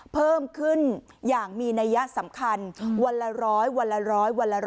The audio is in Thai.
เพิ่มขึ้นอย่างมีนัยสำคัญวันละ๑๐๐วันละ๑๐๐วันละ๑๐๐